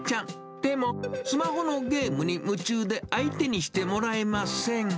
でも、スマホのゲームに夢中で相手にしてもらえません。